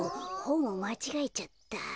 ほんをまちがえちゃった。